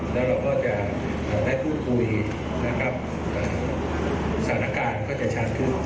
แล้วเราก็จะได้คุ้นคุยสถานการณ์ก็จะชัดทุกข์